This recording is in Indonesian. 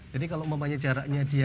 jadi kalau caranya dia